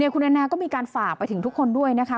คุณแอนนาก็มีการฝากไปถึงทุกคนด้วยนะคะ